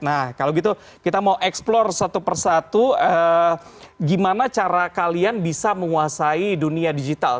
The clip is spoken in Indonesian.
nah kalau gitu kita mau eksplor satu persatu gimana cara kalian bisa menguasai dunia digital